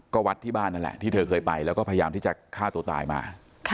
ก็วัดที่บ้านนั่นแหละที่เธอเคยไปแล้วก็พยายามที่จะฆ่าตัวตายมา